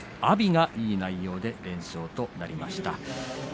阿炎がいい内容で連勝となりました。